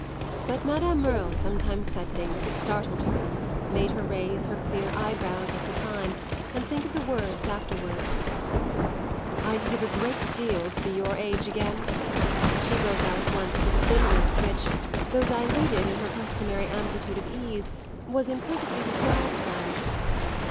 But Madame Merle sometimes said things that startled her, made her raise her clear eyebrows at the time and think of the words afterwards. "I'd give a great deal to be your age again," she broke out once with a bitterness which, though diluted in her customary amplitude of ease, was imperfectly disguised by it.